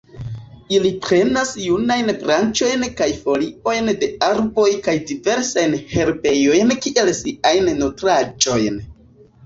Ili prenas junajn branĉojn kaj foliojn de arboj kaj diversajn herbojn kiel siajn nutraĵojn.